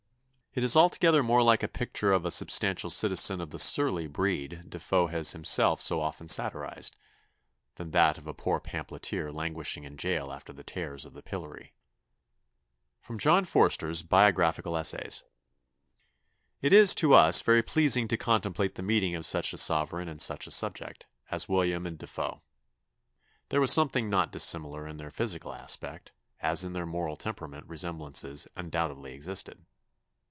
It is altogether more like a picture of a substantial citizen of the "surly breed" De Foe has himself so often satirised, than that of a poor pamphleteer languishing in jail after the terrors of the pillory.'" [Sidenote: John Forster's Bibliographical Essays. *] "It is, to us, very pleasing to contemplate the meeting of such a sovereign and such a subject, as William and De Foe. There was something not dissimilar in their physical aspect, as in their moral temperament resemblances undoubtedly existed.